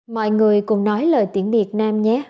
mọi người cùng nói lời tiễn biệt nam nhé